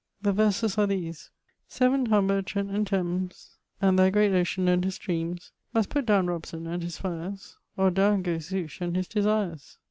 The verses are these: Severn, Humber, Trent, and Thames, And thy great Ocean and her streames Must putt downe Robson and his fires Or downe goes Zouche and his desires.